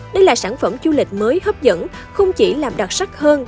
đây là sản phẩm du lịch mới hấp dẫn không chỉ làm đặc sắc hơn